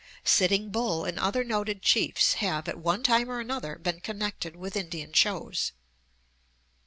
Sitting Bull and other noted chiefs have, at one time or another, been connected with Indian shows.